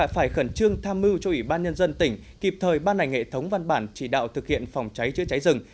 phải khẩn trương tham mưu cho ủy ban nhân dân tỉnh kịp thời ban hành hệ thống văn bản chỉ đạo thực hiện phòng cháy chữa cháy rừng